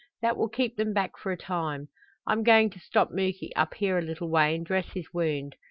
That will keep them back for a time. I'm going to stop Muky up here a little way and dress his wound.